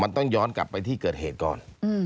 มันต้องย้อนกลับไปที่เกิดเหตุก่อน